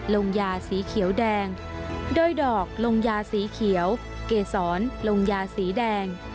ลงยาสีเขียวแดงโดยดอกลงยาสีเขียวเกษรลงยาสีแดง